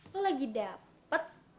lo lagi dapet